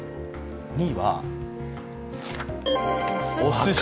２位はおすし。